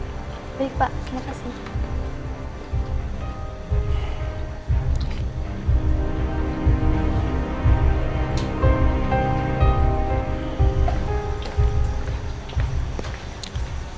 sampai itu what you doing